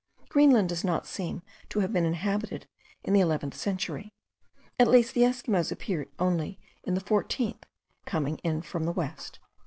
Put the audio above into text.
Greenland does not seem to have been inhabited in the eleventh century; at least the Esquimaux appeared only in the fourteenth, coming from the west.)